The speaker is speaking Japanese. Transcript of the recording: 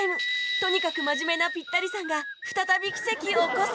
とにかく真面目なピッタリさんが再び奇跡を起こす！